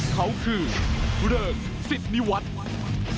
เขาคือเริ่งสิดนิวัตต์